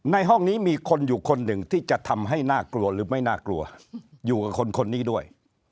ห้องนี้มีคนอยู่คนหนึ่งที่จะทำให้น่ากลัวหรือไม่น่ากลัวอยู่กับคนคนนี้ด้วย